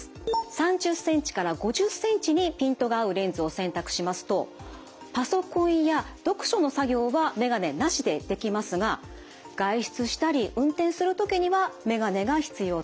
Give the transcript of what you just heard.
３０ｃｍから５０ｃｍにピントが合うレンズを選択しますとパソコンや読書の作業は眼鏡なしでできますが外出したり運転する時には眼鏡が必要となります。